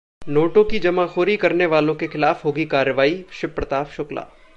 नोटों की जमाखोरी करने वालों के खिलाफ होगी कार्रवाईः शिव प्रताप शुक्ला